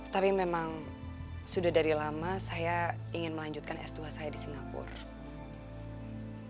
tapi memang sudah dari lama saya ingin melanjutkan s dua saya di singapura